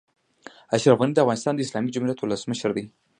اشرف غني د افغانستان د اسلامي جمهوريت اولسمشر دئ.